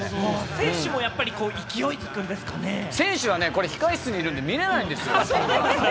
選手はやっぱり勢いづくんで選手は控え室にいるんで、見られないんですよ。